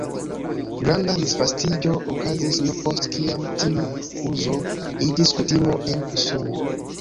Granda disvastiĝo okazis nur post kiam tiu uzo iĝis kutimo en Usono.